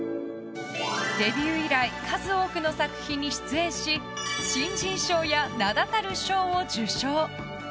デビュー以来数多くの作品に出演し新人賞や名だたる賞を受賞。